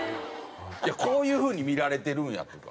こういう風に見られてるんやっていうか。